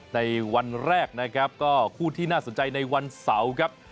ในวันแรกนะครับก็คู่ที่น่าสนใจในวันเสาร์ครับ